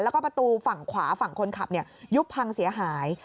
แล้วก็ประตูฝั่งขวาฝั่งคนขับยุบพังเสียหาย